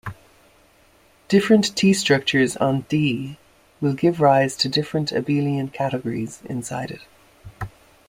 Different t-structures on "D" will give rise to different abelian categories inside it.